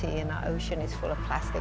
dan laut kita penuh plastik